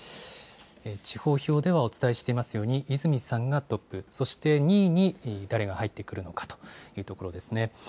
地方票ではお伝えしていますように、泉さんがトップ、そして２位に誰が入ってくるのかというところですね。